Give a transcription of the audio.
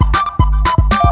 kau mau kemana